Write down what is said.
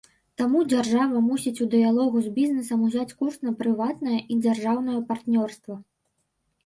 Таму дзяржава мусіць у дыялогу з бізнэсам узяць курс на прыватнае і дзяржаўнае партнёрства.